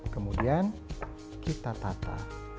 kemudian kita tata